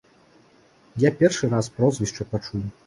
Я першы раз прозвішча пачуў.